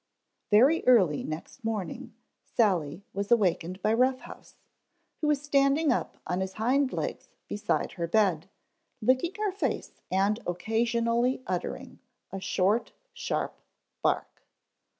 _ VERY early next morning Sally was wakened by Rough House, who was standing up on his hind legs beside her bed, licking her face and occasionally uttering a short, sharp bark.